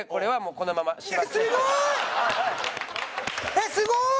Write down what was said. えっすごーい！